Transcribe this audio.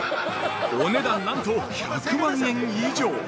お値段なんと、２００万円以上。